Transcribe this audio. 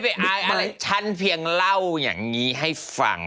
อายอะไรฉันเพียงเล่าอย่างนี้ให้ฟัง